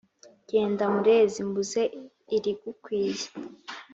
Jyenda Murezi mbuze irigukwiye!